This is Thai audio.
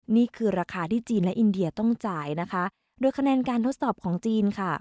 นี่คือราคาที่จีนและอินเดียต้องจ่ายนะคะโดยคะแนนการทดสอบของจีนค่ะ